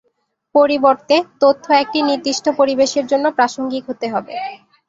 পরিবর্তে, তথ্য একটি নির্দিষ্ট পরিবেশের জন্য প্রাসঙ্গিক হতে হবে।